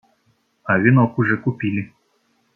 А венок уже купили.